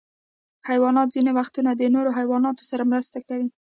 حیوانات ځینې وختونه د نورو حیواناتو سره مرسته کوي.